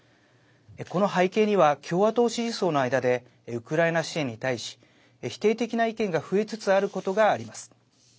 この背景には共和党支持層の間でウクライナ支援に対し否定的な意見が増えつつあることがあります。